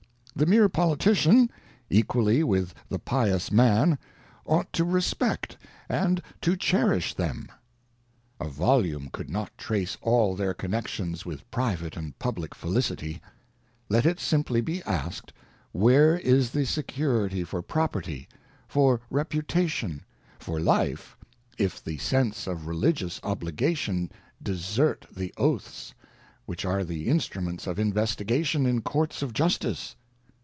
ŌĆö The mere Politician, equally with the pious man, ought to respect and to 19 WASHINGTON'S FAREWELL ADDRESS cherish them. ŌĆö A volume could not trace all their connexions with private and public felicity. ŌĆö Let it simply be asked where is the security for property, for reputation, for life, if the sense of religious obligation desert the oaths, which are the instruments of in vestigation in Courts of Justice